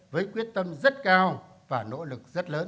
với quyết tâm rất cao và nỗ lực rất lớn